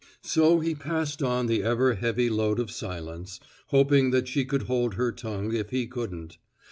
So he passed on the ever heavy load of silence, hoping that she could hold her tongue if he couldn't.